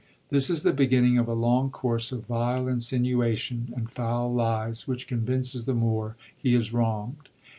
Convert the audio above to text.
This is the beginning of a long course of vile insinuation and foul lies which convinces the Moor he is wrongd.